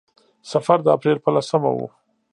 سفر د اپرېل په لسمه و.